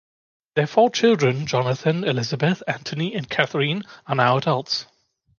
Their four children Jonathan, Elizabeth, Anthony, and Katherine, are now adults.